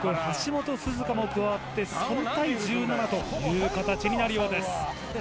橋本涼加も加わって３対１７という形になるようです